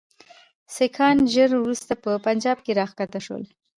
سیکهان ژر وروسته په پنجاب کې را کښته شول.